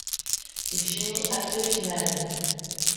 Il finit après finale.